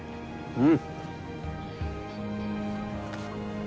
うん！